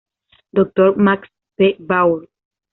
Dr. Max P. Baur.